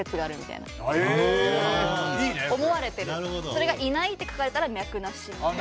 それがいないって書かれたら脈なし。